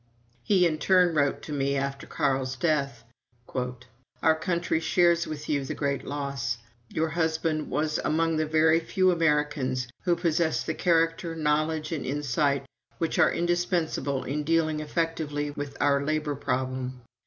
He in turn wrote me after Carl's death: "Our country shares with you the great loss. Your husband was among the very few Americans who possessed the character, knowledge, and insight which are indispensable in dealing effectively with our labor problem.